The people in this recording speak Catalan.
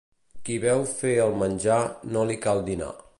Qui veu fer el menjar, no li cal dinar.